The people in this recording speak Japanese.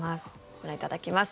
ご覧いただきます。